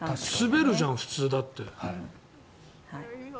滑るじゃん、普通、だって。